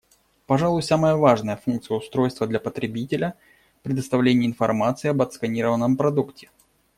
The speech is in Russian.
Пожалуй, самая важная функция устройства для потребителя — предоставление информации об отсканированном продукте.